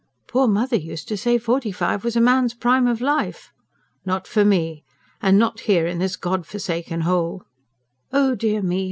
"Poor mother used to say forty five was a man's prime of life." "Not for me. And not here in this God forsaken hole!" "Oh dear me!